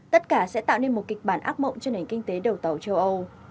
tất cả sẽ tạo nên một kịch bản ác mộng cho nền kinh tế đầu tàu châu âu